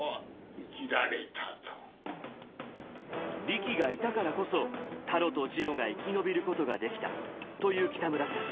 リキがいたからこそタロとジロが生き延びることができたと言う北村さん。